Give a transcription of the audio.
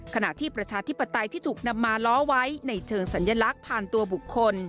ขณะที่ประชาธิปไตยที่ถูกนำมาล้อไว้ในเชิงสัญลักษณ์ผ่านตัวบุคคล